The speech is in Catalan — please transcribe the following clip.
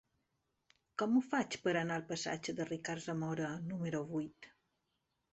Com ho faig per anar al passatge de Ricard Zamora número vuit?